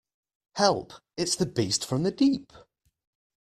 Help! It's the beast from the deep.